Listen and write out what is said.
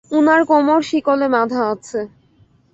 উনার কোমর শিকলে বাঁধা আছে।